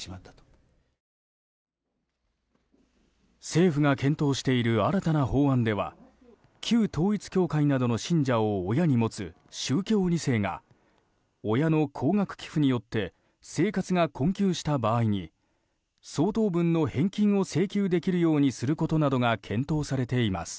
政府が検討している新たな法案では旧統一教会などの信者を親に持つ宗教２世が親の高額寄付によって生活が困窮した場合に相当分の返金を請求できるようにすることなどが検討されています。